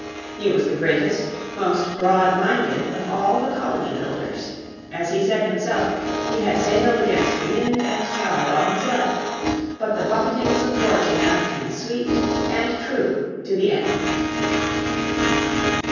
He was the greatest, most broad minded of all the colony builders. As he said himself he had sailed against wind and tide all his life. But the buffetings of fortune left him sweet and true to the end.